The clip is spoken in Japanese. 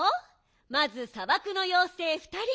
まずさばくのようせいふたり。